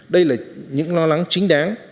đây là những lo lắng chính đáng